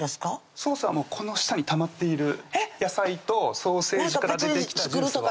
ソースはもうこの下にたまっている野菜とソーセージから出てきたジュースを別に作るとかいうことではない？